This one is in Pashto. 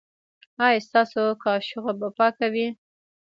ایا ستاسو کاشوغه به پاکه وي؟